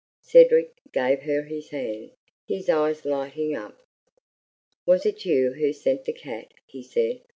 Cedric gave her his hand, his eyes lighting up. "Was it you who sent the cat?" he said.